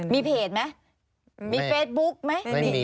มีเพจไหมมีเฟซบุ๊คไหม